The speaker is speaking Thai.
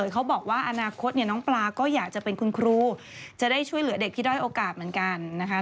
เขาบอกว่าอนาคตเนี่ยน้องปลาก็อยากจะเป็นคุณครูจะได้ช่วยเหลือเด็กที่ด้อยโอกาสเหมือนกันนะคะ